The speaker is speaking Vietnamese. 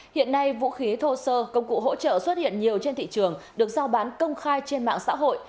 hiện nay vũ khí thô sơ công cụ hỗ trợ xuất hiện nhiều trên thị trường được giao bán công khai trên mạng xã hội